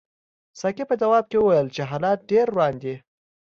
ساقي په ځواب کې وویل چې حالات ډېر وران دي.